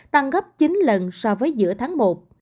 tăng gấp chín lần so với giữa tháng một